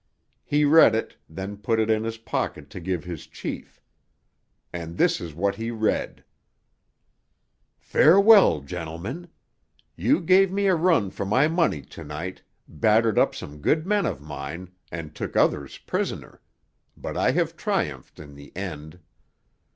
He read it, then put it in his pocket to give his chief. And this is what he read: Farewell, gentlemen. You gave me a run for my money to night, battered up some good men of mine, and took others prisoner, but I have triumphed in the end.